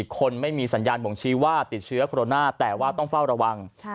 คนไม่มีสัญญาณบ่งชี้ว่าติดเชื้อโคโรนาแต่ว่าต้องเฝ้าระวัง